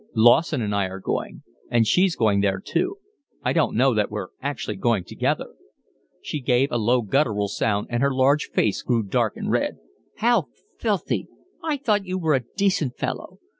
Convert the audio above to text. "Lawson and I are going. And she's going there too. I don't know that we're actually going together." She gave a low guttural sound, and her large face grew dark and red. "How filthy! I thought you were a decent fellow.